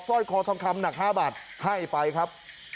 ร้อยคอทองคำหนัก๕บาทให้ไปครับ